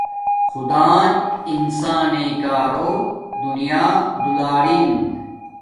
خدان انسان نݵ کارو دنیا دولارین